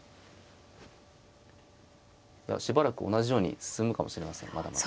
しばらく同じように進むかもしれませんまだまだ。